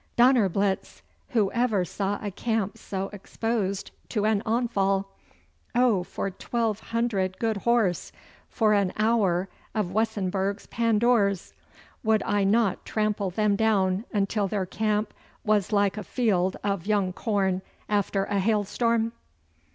'Donnerblitz! Who ever saw a camp so exposed to an onfall? Oh for twelve hundred good horse for an hour of Wessenburg's Pandours! Would I not trample them down until their camp was like a field of young corn after a hail storm!